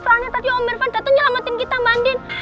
soalnya tadi om irfan dateng nyelamatin kita mbak andin